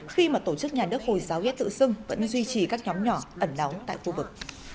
khi mà tổ chức nhà nước hồi giáo yết tự xưng vẫn duy trì các nhóm nhỏ ẩn đóng tại khu vực